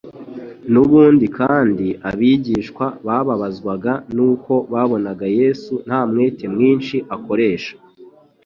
N'ubundi kandi abigishwa bababazwaga n'uko babona Yesu nta mwete mwinshi akoresha